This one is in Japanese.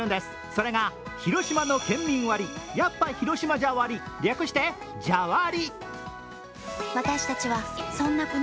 それが、広島の県民割やっぱ広島じゃ割、略してじゃ割。